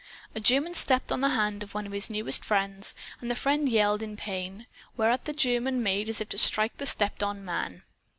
A German stepped on the hand of one of his newest friends. And the friend yelled in pain. Whereat the German made as if to strike the stepped on man.